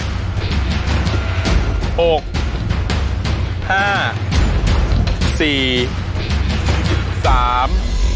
ห้าสี่สาม